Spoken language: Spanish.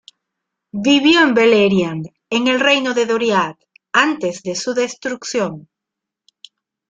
Vivió en Beleriand, en el reino de Doriath, antes de su destrucción.